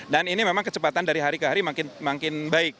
dan ini memang kecepatan dari hari ke hari makin baik